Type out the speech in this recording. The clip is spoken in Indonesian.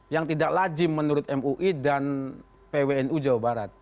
yang tidak lajim menurut mui dan pwnu jawa barat